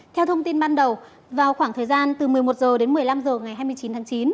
theo thông tin ban đầu vào khoảng thời gian từ một mươi một h đến một mươi năm h ngày hai mươi chín tháng chín